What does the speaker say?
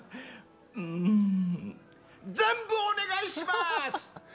うん全部お願いします！